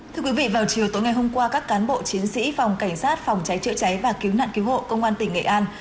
thưa quý vị vào chiều tối ngày hôm qua các cán bộ chiến sĩ phòng cảnh sát phòng cháy chữa cháy và cứu nạn cứu hộ công an tỉnh nghệ an